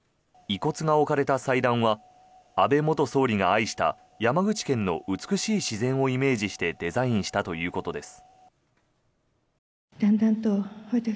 遺骨が置かれた祭壇は安倍元総理が愛した山口県の美しい自然をイメージしてデザインしたということです。